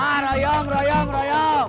ah rayam rayam rayam